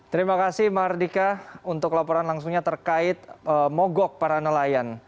terima kasih mardika untuk laporan langsungnya terkait mogok para nelayan